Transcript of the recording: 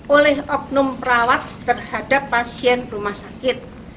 oleh oknum perawat terhadap pasien rumah sakit